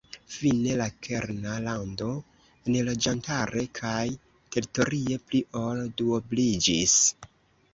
Fine la kerna lando enloĝantare kaj teritorie pli ol duobliĝis.